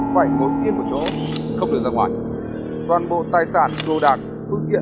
vay của khánh trắng